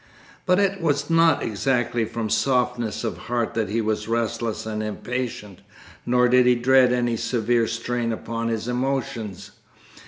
But it was not exactly from softness of heart that he was restless and impatient, nor did he dread any severe strain upon his emotions.